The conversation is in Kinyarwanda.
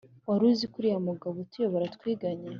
Waruziko uriya mugabo utuyobora twiganye